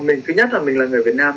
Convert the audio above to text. mình thứ nhất là mình là người việt nam